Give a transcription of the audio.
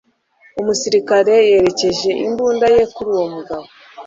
Umusirikare yerekeje imbunda ye kuri uwo mugabo.